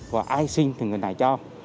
và ai xin thì người này cho